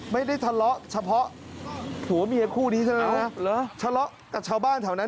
ไม่ได้ทะเลาะเฉพาะผัวเมียคู่นี้ใช่ไหมทะเลาะกับชาวบ้านแถวนั้น